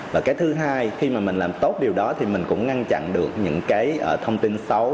và cái thứ hai khi mà mình làm tốt điều đó thì mình cũng ngăn chặn được những cái thông tin xấu